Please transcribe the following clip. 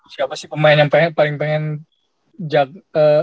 siapa sih pemain yang paling pengen jaga